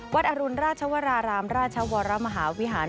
อรุณราชวรารามราชวรมหาวิหาร